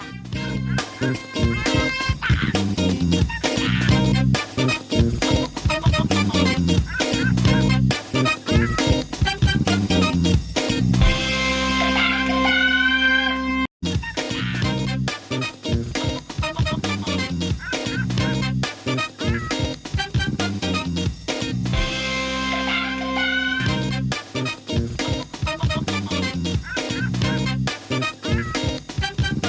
กระแปลกระแปลก